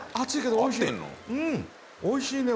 おいしいね